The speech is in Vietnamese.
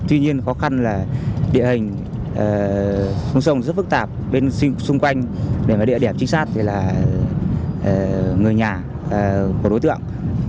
tuy nhiên khó khăn là địa hình sông sông rất phức tạp bên xung quanh để địa điểm trinh sát là người nhà của đối tượng